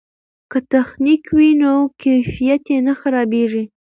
که تخنیک وي نو کیفیت نه خرابیږي.